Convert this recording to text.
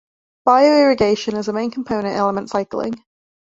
Bioirrigation is a main component in element cycling.